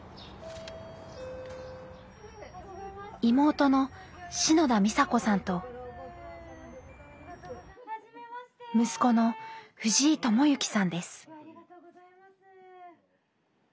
妹の篠田美紗子さんと息子の藤井智幸さんです。